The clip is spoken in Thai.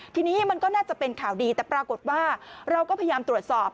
ทีนี้มันก็น่าจะเป็นข่าวดีแต่ปรากฏว่าเราก็พยายามตรวจสอบ